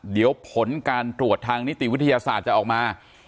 เดี๋ยวผลการตรวจทางนิติวิทยาศาสตร์จะออกมา